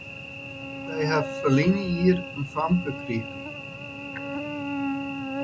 Sy ha ferline jier in famke krigen.